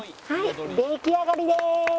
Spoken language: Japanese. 出来上がりです！